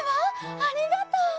ありがとう。